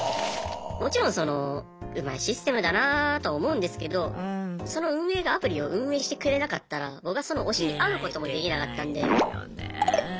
もちろんそのうまいシステムだなと思うんですけどその運営がアプリを運営してくれなかったら僕はその推しに会うこともできなかったんで。